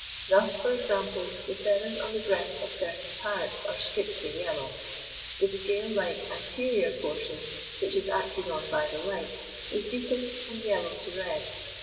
Thus, for example, the feathers on the breast of certain parrots, are strictly yellow; the scale like anterior portion, which is acted on by the light, is deepened from yellow to red.